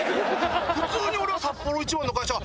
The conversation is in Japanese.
普通に俺は「サッポロ一番の会社は」。